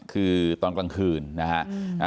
คือตอนกลางคืนนะฮะ